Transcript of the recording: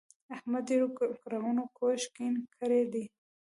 احمد ډېرو کړاوونو کوږ کیڼ کړی دی.